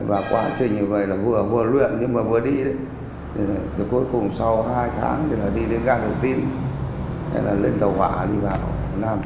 bác đi bộ đội thì năm mới là một mươi năm tháng một mươi hai à một mươi năm tháng một mươi hai à một mươi năm tháng một mươi hai à một mươi năm tháng một mươi hai à một mươi năm tháng một mươi hai